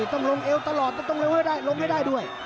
ต้องลงเอวตลอดต้องเอวให้ได้ลงให้ได้ด้วย